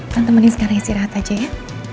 tante mending sekarang istirahat aja ya